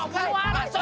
dilihat doang aja